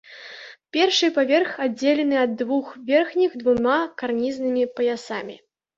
Першы паверх аддзелены ад двух верхніх двума карнізнымі паясамі.